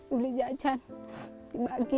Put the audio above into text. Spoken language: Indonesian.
beli jajan dibagi